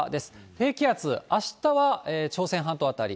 低気圧、あしたは朝鮮半島辺り。